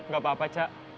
gak apa apa ca